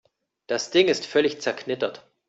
Das Ding ist völlig zerknittert.